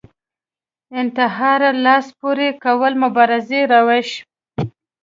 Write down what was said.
انتحار لاس پورې کول مبارزې روش